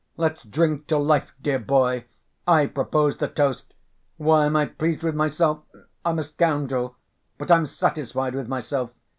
Let's drink to life, dear boy, I propose the toast. Why am I pleased with myself? I'm a scoundrel, but I'm satisfied with myself.